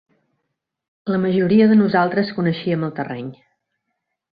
La majoria de nosaltres coneixíem el terreny